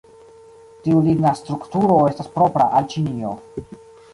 Tiu ligna strukturo estas propra al Ĉinio.